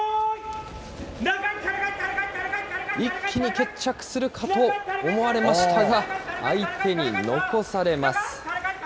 一気に決着するかと思われましたが、相手に残されます。